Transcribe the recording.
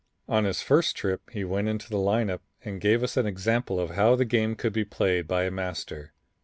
On his first trip he went into the lineup and gave us an example of how the game could be played by a master.